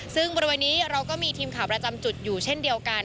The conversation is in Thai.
ซึ่งบริเวณนี้เราก็มีทีมข่าวประจำจุดอยู่เช่นเดียวกัน